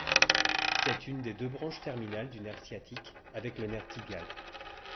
C'est une des deux branches terminales du nerf sciatique avec le nerf tibial.